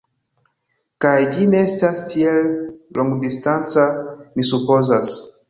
Kaj, ĝi ne estas tiel longdistanca, mi supozas.